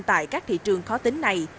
tại các thị trường khó tính này